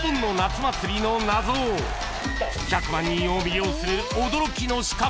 ［１００万人を魅了する驚きの仕掛け］